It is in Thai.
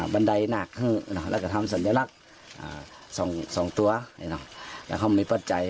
บันไดหนักแล้วก็ทำศัลยรักษณ์สองสองตัวแล้วเขามีพตรใจ